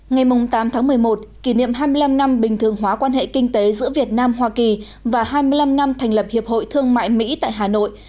ngày tám tháng một mươi một kỷ niệm hai mươi năm năm bình thường hóa quan hệ kinh tế giữa việt nam hoa kỳ và hai mươi năm năm thành lập hiệp hội thương mại mỹ tại hà nội